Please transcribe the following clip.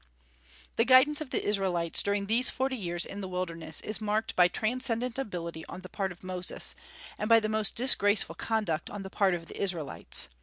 The guidance of the Israelites during these forty years in the wilderness is marked by transcendent ability on the part of Moses, and by the most disgraceful conduct on the part of the Israelites.